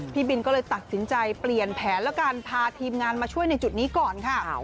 พี่บินก็เลยตัดสินใจเปลี่ยนแผนแล้วกันพาทีมงานมาช่วยในจุดนี้ก่อนค่ะ